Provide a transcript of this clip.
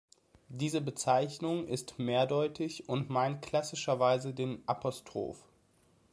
Diese Bezeichnung ist mehrdeutig und meint klassischerweise den Apostroph.